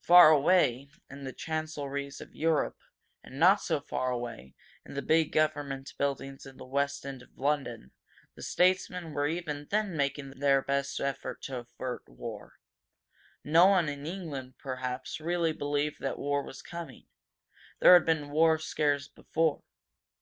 Far away, in the chancelleries of Europe, and, not so far away, in the big government buildings in the West End of London, the statesmen were even then making their best effort to avert war. No one in England, perhaps, really believed that war was coming. There had been war scares before.